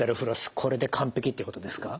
これで完璧ってことですか？